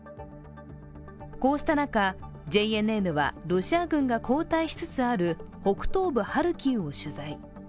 こうした中、ＪＮＮはロシア軍が後退しつつある北東部ハルキウを取材。